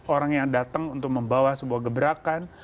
orang yang datang untuk membawa sebuah gebrakan